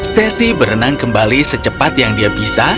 sesi berenang kembali secepat yang dia bisa